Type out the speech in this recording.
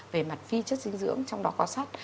về mặt phi chất dinh dưỡng trong đó có sách